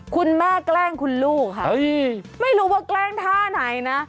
คุณแม่แกล้งคุณลูกค่ะไม่รู้ว่าแกล้งท่าไหนนะ